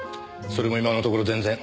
それも今のところ全然。